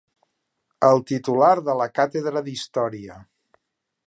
El titular de la càtedra d'història.